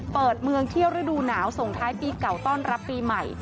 เปิดเมืองเที่ยวฤดูหนาวส่งท้ายปีเก่าต้อนรับปีใหม่